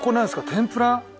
天ぷら？